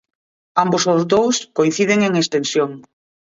Ambos os dous coinciden en extensión.